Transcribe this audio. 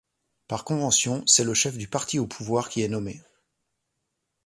Par convention, c'est le chef du parti au pouvoir qui est nommé.